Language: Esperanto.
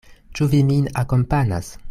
Ĉu vi min akompanas?